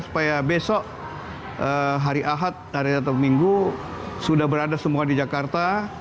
supaya besok hari ahad hari tetap minggu sudah berada semua di jakarta